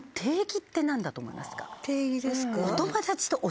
定義ですか？